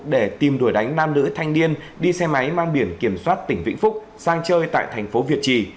để tìm đuổi đánh nam nữ thanh niên đi xe máy mang biển kiểm soát tỉnh vĩnh phúc sang chơi tại thành phố việt trì